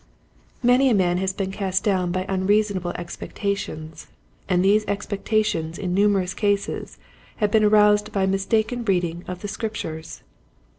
Many a man has been cast down by unreasonable expectations, and these ex pectations in numerous cases have been aroused by mistaken reading of the Scrip tures.